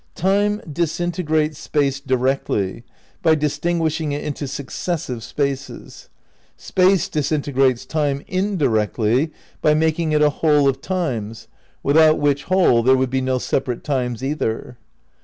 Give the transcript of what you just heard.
"Time disintegrates Space directly by distinguishing it into suc cessive spaces; Space disintegrates Time indirectly by making it a whole of times, without which whole there would be no separate times either."